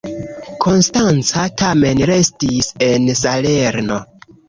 Konstanca tamen restis en Salerno.